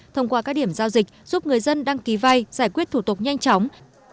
thông qua các điểm giao dịch giúp người dân đăng ký vay giải quyết thủ tục nhanh chóng